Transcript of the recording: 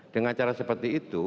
dengan cara seperti itu